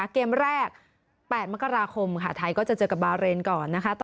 เกมแรก๘มกราคมไทยก็จะเจอกับบาร์เรนก่อน